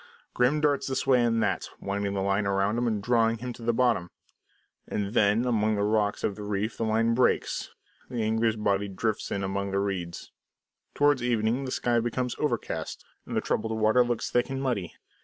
Grim darts this way and that, winding the line round him and drawing him to the bottom. And then, among the rocks of the reef, the line breaks; the angler's body drifts in among the reeds. Towards evening the sky becomes overcast and the troubled water looks thick and muddy.